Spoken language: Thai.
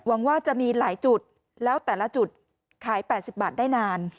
ว่าจะมีหลายจุดแล้วแต่ละจุดขาย๘๐บาทได้นาน